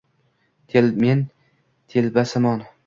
men telbasimon